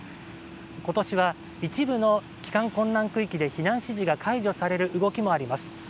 今年は一部の帰還困難区域で避難指示が解除される動きもあります。